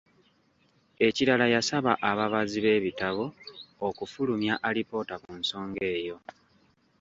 Ekirala yasaba ababazi b'ebitabo okufulumya alipoota ku nsonga eyo.